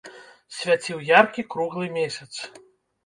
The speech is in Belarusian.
Свяціў яркі круглы месяц.